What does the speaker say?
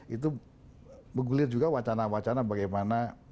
itu menggulir juga wacana wacana bagaimana